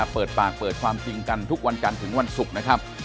เปิดปากเปิดความจริงกันทุกวันจันทร์ถึงวันศุกร์นะครับ